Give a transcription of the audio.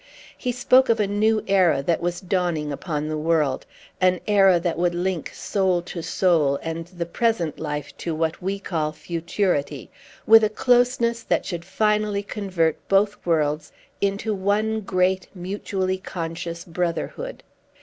He spoke of a new era that was dawning upon the world; an era that would link soul to soul, and the present life to what we call futurity, with a closeness that should finally convert both worlds into one great, mutually conscious brotherhood.